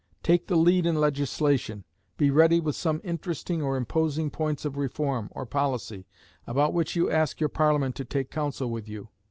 Take the lead in legislation. Be ready with some interesting or imposing points of reform, or policy, about which you ask your Parliament to take counsel with you.